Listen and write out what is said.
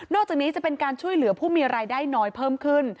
อกจากนี้จะเป็นการช่วยเหลือผู้มีรายได้น้อยเพิ่มขึ้น